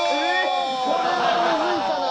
これはむずいかな？